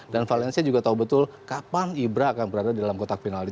dan valencia juga tahu betul kapan ibra akan berada di dalam kotak penalti